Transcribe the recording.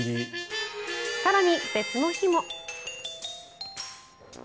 更に、別の日も。